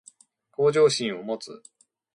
向上心を持つ